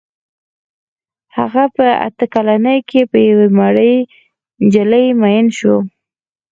هغه په اته کلنۍ کې په یوې مړې نجلۍ مین شو